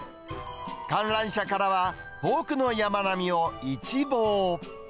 観覧車からは遠くの山並みを一望。